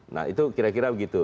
nah itu kira kira begitu